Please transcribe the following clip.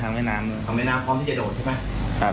ทางแผน้ำพร้อมที่จะโดดใช่ไหม